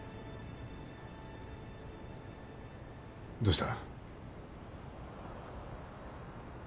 どうした？